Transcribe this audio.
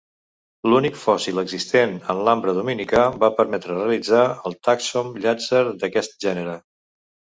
L'únic fòssil existent en l'ambre dominicà va permetre realitzar el Tàxon Llàtzer d'aquest gènere.